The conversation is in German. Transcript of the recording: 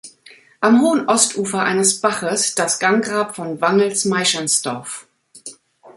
Am hohen Ostufer eines Baches das Ganggrab von Wangels-Meischenstorf.